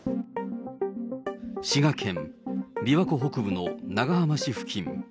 滋賀県、琵琶湖北部の長浜市付近。